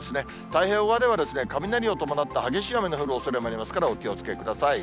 太平洋側では雷を伴った激しい雨の降るおそれもありますから、お気をつけください。